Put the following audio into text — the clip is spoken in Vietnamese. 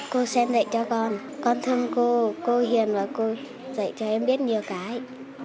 cô sen dạy cho con con thương cô cô hiền và cô dạy cho em biết nhiều cái